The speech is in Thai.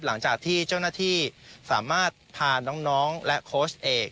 หลังจากที่เจ้าหน้าที่สามารถพาน้องและโค้ชเอก